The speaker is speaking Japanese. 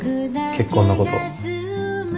結婚のこと。